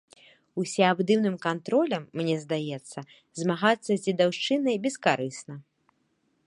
Усёабдымным кантролем, мне здаецца, змагацца з дзедаўшчынай бескарысна.